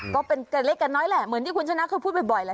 ก็เป็นแต่เล็กกับน้อยแหละเหมือนที่คุณชนะคือพูดบ่อยแหละ